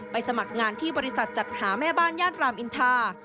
สมัครงานที่บริษัทจัดหาแม่บ้านย่านรามอินทา